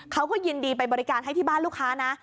เขาก็ยินดีไปบริการให้ที่บ้านลูกค้านะ